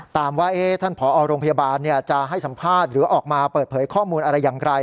ว่าท่านผอโรงพยาบาลจะให้สัมภาษณ์หรือออกมาเปิดเผยข้อมูลอะไรอย่างไร